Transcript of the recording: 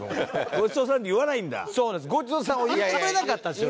「ごちそうさん」を言ってくれなかったんですよ。